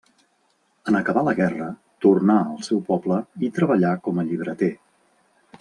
En acabar la guerra, tornà al seu poble i treballà com a llibreter.